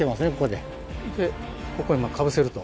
でここへかぶせると。